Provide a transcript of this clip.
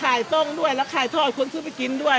ส้มด้วยแล้วขายทอดคนซื้อไปกินด้วย